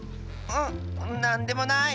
んなんでもない。